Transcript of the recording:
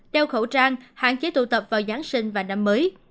đeo khẩu trang hạn chế tụ tập vào giáng sinh và năm mới